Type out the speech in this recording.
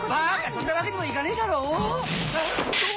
そんなわけにもいかねえだろ。